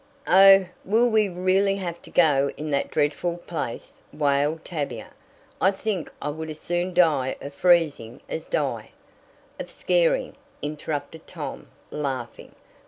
"Oh, will we really have to go in that dreadful place?" wailed Tavia. "I think I would as soon die of freezing as die " "Of scaring," interrupted Tom, laughing.